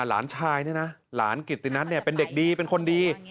หลานชายนี่นะหลานกริตนัทเป็นเด็กดีเป็นคนดี